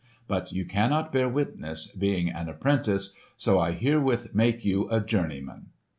But you cannot bear witness, being an apprentice; so I herewith make you a journeyman!"